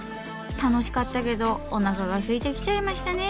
楽しかったけどおなかがすいてきちゃいましたね。